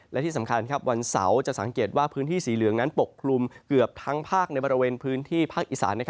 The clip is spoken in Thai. และที่สำคัญวันเสาร์จะสังเกตว่าพื้นที่สีเหลืองนั้นปกคลุมเกือบทั้งภาคในบริเวณพื้นที่ภาคอีสาน